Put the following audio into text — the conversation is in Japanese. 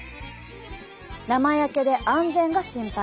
生焼けで安全が心配。